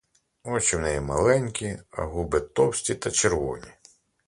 Очі в неї маленькі, а губи товсті та червоні.